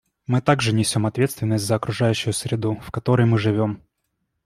Мы также несем ответственность за окружающую среду, в которой мы живем.